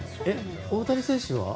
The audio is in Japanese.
大谷選手は？